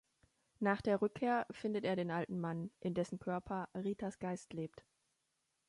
Nach der Rückkehr findet er den alten Mann, in dessen Körper Ritas Geist lebt.